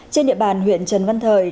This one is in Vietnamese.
trên địa bàn huyện trần văn thời